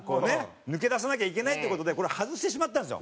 抜け出さなきゃいけないって事でこれ外してしまったんですよ